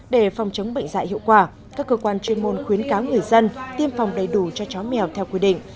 để phòng chống bệnh dạy hiệu quả các cơ quan chuyên môn khuyến cáo người dân tiêm phòng đầy đủ cho chó mèo theo quy định